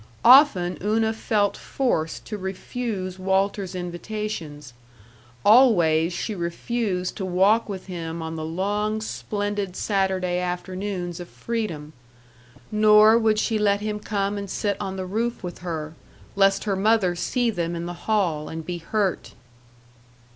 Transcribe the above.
Often Una felt forced to refuse Walter's invitations; always she refused to walk with him on the long, splendid Saturday afternoons of freedom. Nor would she let him come and sit on the roof with her, lest her mother see them in the hall and be hurt.